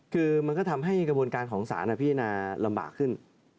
คือมันก็ทำให้กระบวนการของศาลพิจารณาลำบากขึ้น